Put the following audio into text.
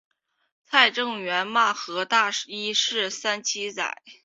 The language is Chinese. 蔡正元骂何大一是三七仔。